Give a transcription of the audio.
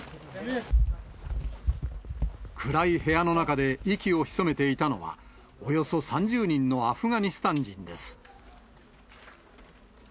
暗い部屋の中で息を潜めていたのは、およそ３０人のアフガニスタン人です。